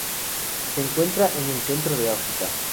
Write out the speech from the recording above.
Se encuentra en el centro de África.